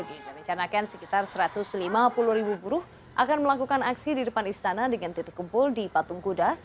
dan rencanakan sekitar satu ratus lima puluh buruh akan melakukan aksi di depan istana dengan titik kumpul di patung kuda